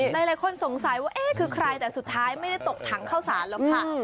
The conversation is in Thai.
หลายคนสงสัยว่าเอ๊ะคือใครแต่สุดท้ายไม่ได้ตกถังเข้าสารหรอกค่ะ